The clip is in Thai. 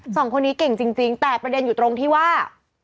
สองคนนี้เก่งจริงแต่ประเด็นอยู่ตรงที่ว่า